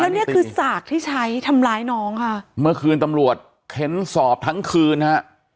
แล้วเนี้ยคือสากที่ใช้ทำร้ายน้องค่ะเมื่อคืนตำรวจเค้นสอบทั้งคืนฮะ